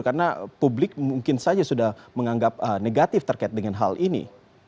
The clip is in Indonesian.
karena publik mungkin saja sudah menganggap negatif terkait dengan hal ini